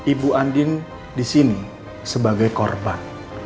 ibu andien disini sebagai korban